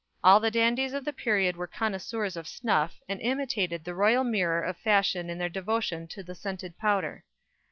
All the dandies of the period were connoisseurs of snuff, and imitated the royal mirror of fashion in their devotion to the scented powder.